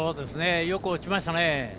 よく落ちましたね。